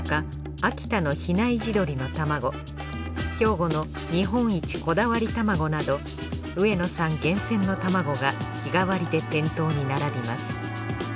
秋田の比内地鶏の卵兵庫の日本一こだわり卵など上野さん厳選の卵が日替わりで店頭に並びます。